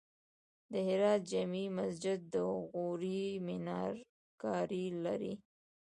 د هرات جمعې مسجد د غوري میناکاري لري